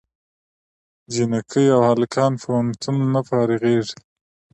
جینکۍ او هلکان د پوهنتون نه فارغېږي